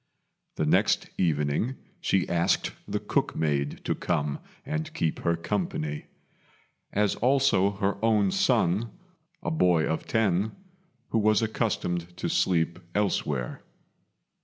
The next evening she asked the cook maid to come and keep her company; as also her own son, a boy of ten, who was accustomed to sleep elsewhere.